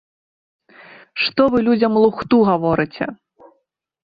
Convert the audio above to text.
Што вы людзям лухту гаворыце?!